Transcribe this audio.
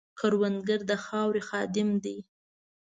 کروندګر د خاورې خادم دی